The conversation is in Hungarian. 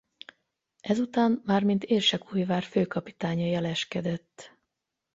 Ezután már mint Érsekújvár főkapitánya jeleskedett.